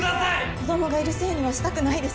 「子供がいるせいにはしたくないです」